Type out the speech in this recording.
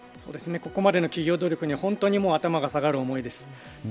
ここまでの企業努力には本当に頭が下がる思いです。